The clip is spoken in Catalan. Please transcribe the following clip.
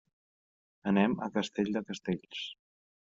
Anem a Castell de Castells.